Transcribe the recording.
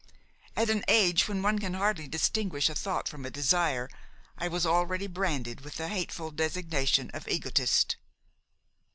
At an age when one can hardly distinguish a thought from a desire, I was already branded with the hateful designation of egotist.